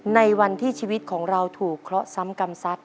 ในวันที่ชีวิตของเราถูกเคราะห์ซ้ำกรรมซัด